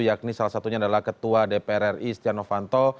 yakni salah satunya adalah ketua dpr ri stiano fanto